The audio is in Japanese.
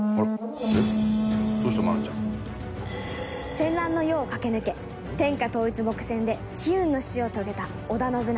戦乱の世を駆け抜け天下統一目前で悲運の死を遂げた織田信長。